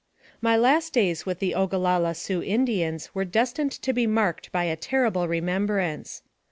MY last days with the Ogalalla Sioux Indians were destined to be marked by a terrible remembrance.